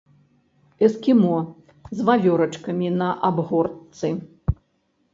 Эскімо з вавёрачкамі на абгортцы.